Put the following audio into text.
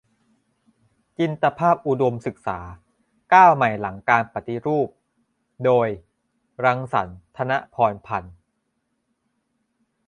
"จินตภาพอุดมศึกษา-ก้าวใหม่หลังการปฏิรูป" โดย รังสรรค์ ธนะพรพันธุ์